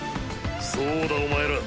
そうだお前ら。